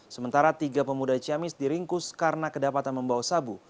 sementara tiga pemuda ciamis diringkus karena kedapatan membawa sabu